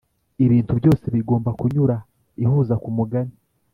ibintu byose bigomba kunyura ihuza kumugani